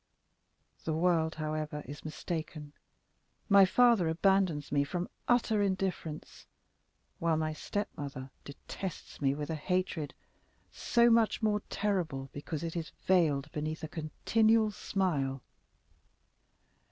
The world, however, is mistaken; my father abandons me from utter indifference, while my stepmother detests me with a hatred so much the more terrible because it is veiled beneath a continual smile."